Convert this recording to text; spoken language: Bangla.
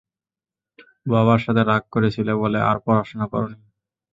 বাবার সাথে রাগ করেছিলে বলে, আর পড়াশোনা করোনি।